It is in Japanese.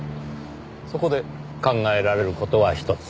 そこで考えられる事は一つ。